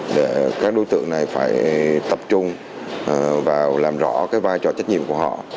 để các đối tượng này phải tập trung vào làm rõ cái vai trò trách nhiệm của họ